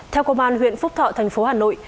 theo công an huyện phúc thọ thành phố hà nội